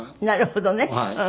なるほどね。